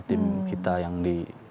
tim kita yang di